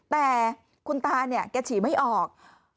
แต่คุณตาแกฉี่ไม่ออก